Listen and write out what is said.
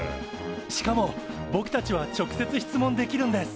しかもぼくたちは直接質問できるんです。